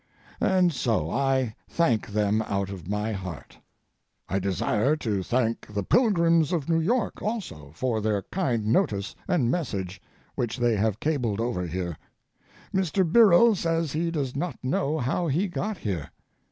And so I thank them out of my heart. I desire to thank the Pilgrims of New York also for their kind notice and message which they have cabled over here. Mr. Birrell says he does not know how he got here.